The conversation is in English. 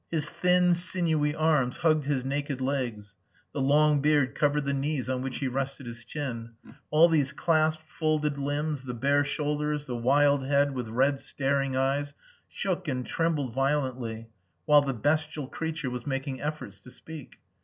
His thin, sinewy arms hugged his naked legs; the long beard covered the knees on which he rested his chin; all these clasped, folded limbs, the bare shoulders, the wild head with red staring eyes, shook and trembled violently while the bestial creature was making efforts to speak.